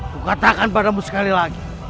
kukatakan padamu sekali lagi